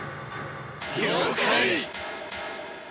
了解！